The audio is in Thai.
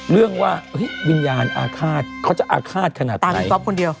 เรื่องว่าวิญญาณอาฆาตเขาจะอาฆาตขนาดไหน